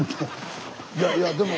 いやいやでも。